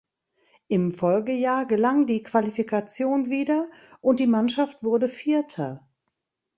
Im Folgejahr gelang die Qualifikation wieder und die Mannschaft wurde Vierter.